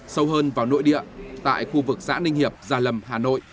sâu hơn vào nội địa tại khu vực xã ninh hiệp gia lâm hà nội